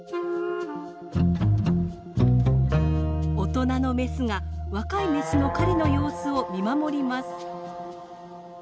大人のメスが若いメスの狩りの様子を見守ります。